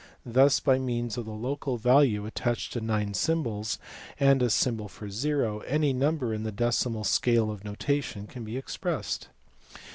Thus, by means of the local value attached to nine symbols and a symbol for zero, any number in the decimal scale of notation can be expressed.